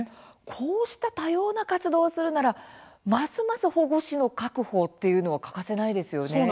こうした多様な活動をするならますます保護司の確保というのは欠かせないですね。